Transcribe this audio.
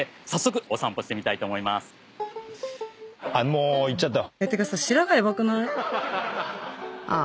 もーう行っちゃった。